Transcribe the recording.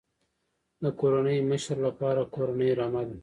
د کورنۍ مشر لپاره کورنۍ رمه ده.